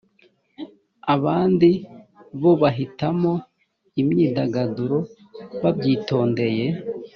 abandi bo bahitamo imyidagaduro babyitondeye